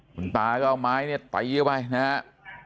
คุณตาก็เอาไม้เนี่ยไปครับ